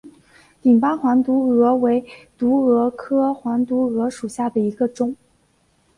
顶斑黄毒蛾为毒蛾科黄毒蛾属下的一个种。